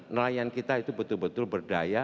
nelayan kita itu betul betul berdaya